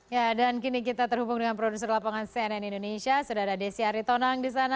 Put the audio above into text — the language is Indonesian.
ya dan kini kita terhubung dengan produser lapangan cnn indonesia sudah ada desi aritonang di sana